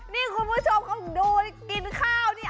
นี่คุณผู้ชมเขาดูกินข้าวนี่